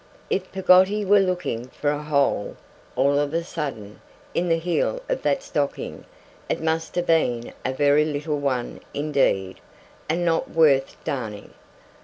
If Peggotty were looking for a hole, all of a sudden, in the heel of that stocking, it must have been a very little one indeed, and not worth darning.